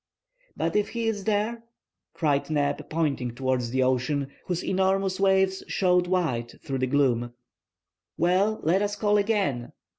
"But if he is there!" cried Neb, pointing towards the ocean, whose enormous waves showed white through the gloom. "Well, let us call again."